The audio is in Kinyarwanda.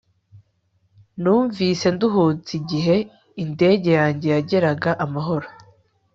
Numvise nduhutse igihe indege yanjye yageraga amahoro